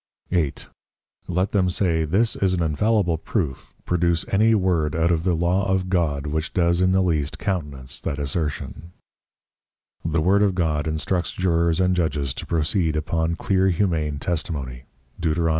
8. _Let them say this is an infallible Proof, produce any Word out of the Law of God which does in the least countenance that Assertion:_ The Word of God instructs Jurors and Judges to proceed upon clear humane Testimony, _Deut.